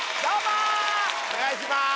お願いします！